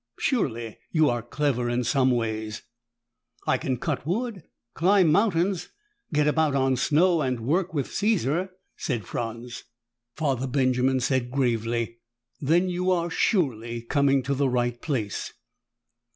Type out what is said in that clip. Surely you are clever in some ways?" "I can cut wood, climb mountains, get about on snow and work with Caesar," said Franz. Father Benjamin said gravely, "Then you are surely coming to the right place."